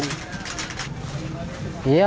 enggak ada kerjaan